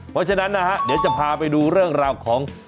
เพราะฉะนั้นนะฮะเดี๋ยวจะพาไปดูเรื่องราวของ